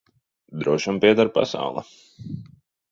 Drošam pieder pasaule.